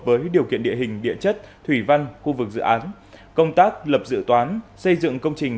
với điều kiện địa hình địa chất thủy văn khu vực dự án công tác lập dự toán xây dựng công trình